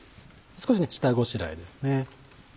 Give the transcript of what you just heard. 少しね下ごしらえですね。